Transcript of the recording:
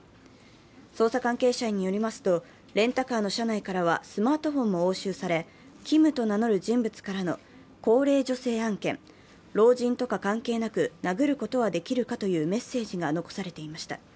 捜査関係者によりますとレンタカーの車内からはスマートフォンも押収されＫｉｍと名乗る人物からの高齢女性案件、老人とか関係なく殴ることはできるかというメッセージが残されていました。